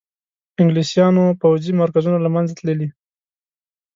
انګلیسیانو پوځي مرکزونه له منځه تللي.